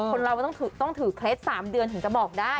คนเราต้องถือเคล็ด๓เดือนถึงจะบอกได้